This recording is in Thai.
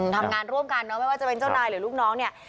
ทำงานร่วมกันเนอะไม่ว่าจะเป็นเจ้านายหรือลูกน้องเนี่ย